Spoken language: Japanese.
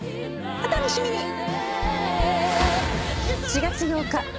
お楽しみに。